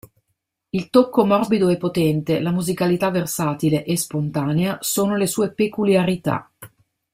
Il tocco morbido e potente, la musicalità versatile e spontanea, sono le sue peculiarità.